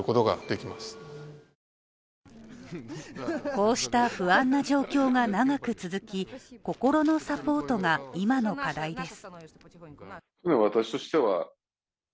こうした不安な状況が長く続き心のサポートが今の課題です。